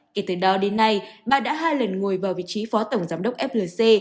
kể từ đó đến nay bà đã hai lần ngồi vào vị trí phó tổng giám đốc flc